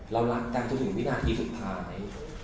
เรารักกันจนถึงวินาทีสุดท้าย